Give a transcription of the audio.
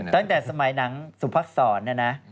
ตั้งแต่สมัยหนังสุพักศรนะ